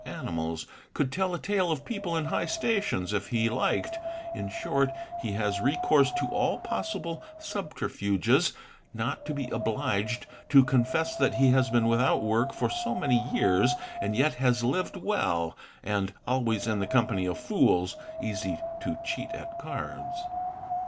GIT ALN SL a Nm ; 2 a A ad LE, MUS RRM INL ARS Le) a, enn eS SS , animals, could tell a tale of people in high stations if he liked, in short he has recourse to all possible subterfuges not to be obliged to confess that. he has been without work for so many years and yet has lived well, and always in the company of fools easy to cheat at cards.